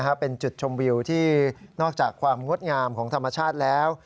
เป็นจุดชมวิวที่นอกจากความงดงามของธรรมชาติแล้ว